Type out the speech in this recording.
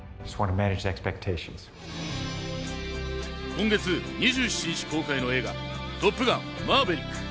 今月２７日公開の映画『トップガンマーヴェリック』。